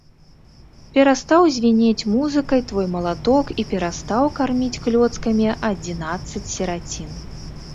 Перастаў звінець музыкай твой малаток і перастаў карміць клёцкамі адзінаццаць сірацін.